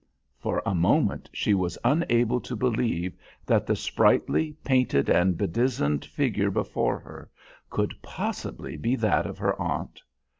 For a moment she was unable to believe that the sprightly, painted and bedizened figure before her could possibly be that of her aunt.